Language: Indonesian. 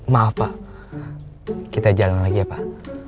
maaf pak kita jalan lagi ya pak